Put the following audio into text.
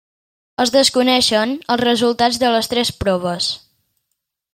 Es desconeixen els resultats de les tres proves.